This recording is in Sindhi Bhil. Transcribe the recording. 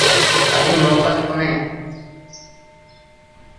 اَڄ موڪل ڪونهي۔